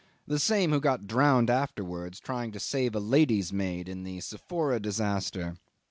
The same who got drowned afterwards trying to save a lady's maid in the Sephora disaster.